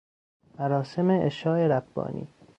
مراسم عشاء ربانی